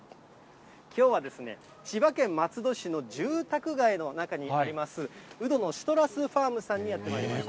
きょうはですね、千葉県松戸市の住宅街の中にあります、鵜殿シトラスファームさんにやってまいりました。